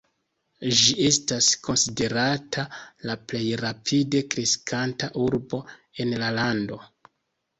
Ĝi estas konsiderata la plej rapide kreskanta urbo en la lando.